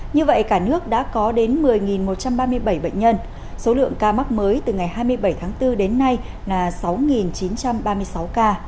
như vậy cả nước đã có đến một mươi một trăm ba mươi bảy bệnh nhân số lượng ca mắc mới từ ngày hai mươi bảy tháng bốn đến nay là sáu chín trăm ba mươi sáu ca